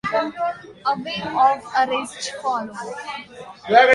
A wave of arrests followed.